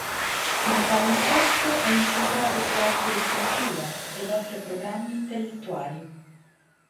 Il palinsesto è incentrato su arte e cultura ed offre programmi intellettuali.